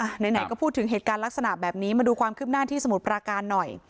ไหนไหนก็พูดถึงเหตุการณ์ลักษณะแบบนี้มาดูความคืบหน้าที่สมุทรปราการหน่อย